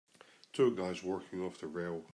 Two guys working off the rail.